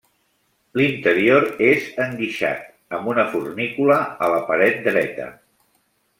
L'interior és enguixat, amb una fornícula a la paret dreta.